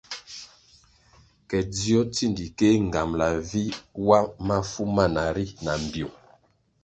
Ke dzio tsindikéh nğambala vi wa mafu mana ri na mbpiung.